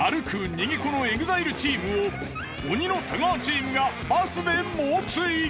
逃げ子のＥＸＩＬＥチームを鬼の太川チームがバスで猛追。